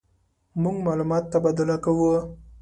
مونږ معلومات تبادله کوو.